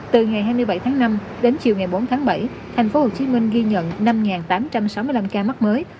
từ ngày hai mươi bảy tháng năm đến chiều ngày bốn tháng bảy tp hcm ghi nhận năm tám trăm sáu mươi năm ca mắc mới